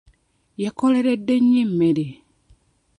Yakoleredde nnyo emmere.